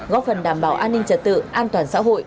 góp phần đảm bảo an ninh trật tự an toàn xã hội